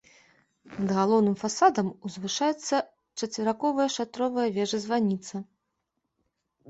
Над галоўным фасадам узвышаецца чацверыковая шатровая вежа-званіца.